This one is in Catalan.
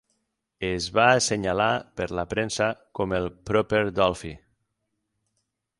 Es va assenyalar per la premsa com el "proper Dolphy".